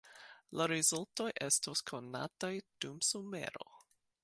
La rezultoj estos konataj dum somero.